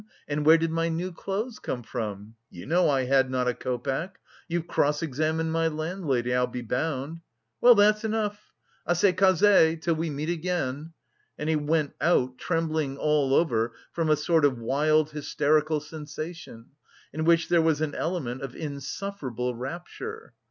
And where did my new clothes come from? You know I had not a copeck. You've cross examined my landlady, I'll be bound.... Well, that's enough! Assez causé! Till we meet again!" He went out, trembling all over from a sort of wild hysterical sensation, in which there was an element of insufferable rapture.